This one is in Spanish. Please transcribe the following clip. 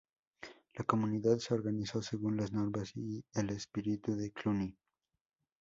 La comunidad se organizó según las normas y el espíritu de Cluny.